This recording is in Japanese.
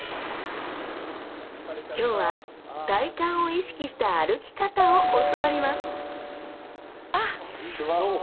今日は体幹を意識した歩き方を教わりますどうも。